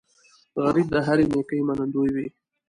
غریب د هرې نیکۍ منندوی وي